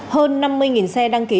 hơn năm mươi xe đăng ký